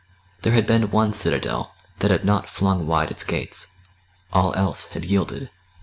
There had been one citadel that had not flung wide its gates all else had yielded.